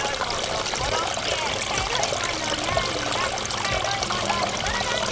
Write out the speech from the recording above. ちゃいろいものどろだんご！